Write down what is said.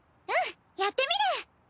うんやってみる！